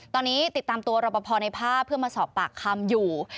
ตอนนี้ติดตามตัวรอปภในภาพเพื่อมาสอบปากคำอยู่